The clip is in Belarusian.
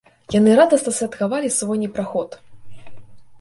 Яны радасна святкавалі свой непраход.